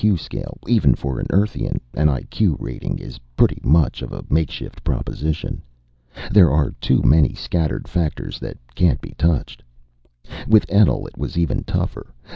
scale. Even for an Earthian, an I.Q. rating is pretty much of a makeshift proposition. There are too many scattered factors that can't be touched. With Etl, it was even tougher.